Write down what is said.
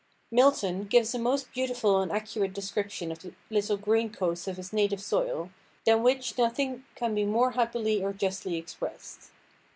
Milton gives a most beautiful and accurate description of the little green–coats of his native soil, than which nothing can be more happily or justly expressed.